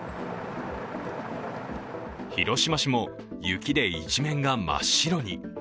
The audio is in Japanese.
広島市も雪で一面が真っ白に。